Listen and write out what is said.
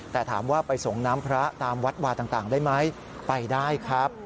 แต่ถามว่าไปส่งน้ำพระตามวัดวาต่างได้ไหมไปได้ครับ